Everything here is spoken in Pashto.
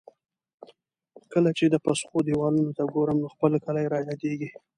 کله چې د پسخو دېوالونو ته ګورم، نو خپل کلی را یادېږي.